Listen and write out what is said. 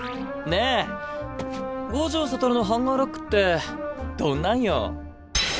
ねえ五条悟のハンガーラックってどんなんよ？